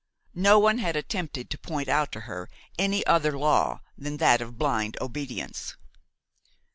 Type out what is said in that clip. No one had attempted to point out to her any other law than that of blind obedience.